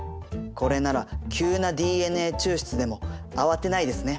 これなら急なＤＮＡ抽出でも慌てないですね。